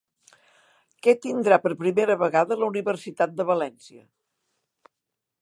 Què tindrà per primera vegada la Universitat de València?